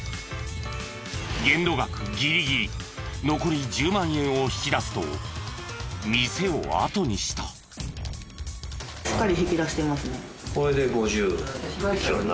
限度額ギリギリ残り１０万円を引き出すと店を後にした。ですね。